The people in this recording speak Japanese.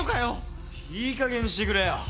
いいかげんにしてくれよ。